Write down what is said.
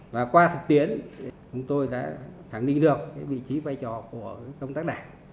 và qua sập tiến chúng tôi đã khẳng định được vị trí vai trò của công tác đảng